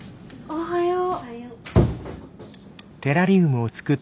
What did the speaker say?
おはよう。